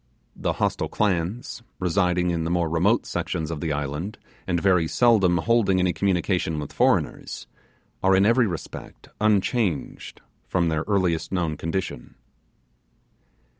The hostile clans, residing in the more remote sections of the island, and very seldom holding any communication with foreigners, are in every respect unchanged from their earliest known condition.